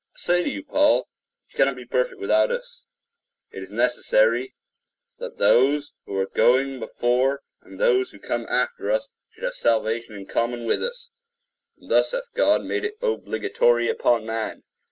I say to you, Paul, you cannot be perfect without us. It is necessary that those who are going before and those who come after us should have salvation in common with us; and thus hath God made it obligatory upon man.